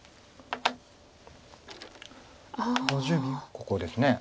ここですね。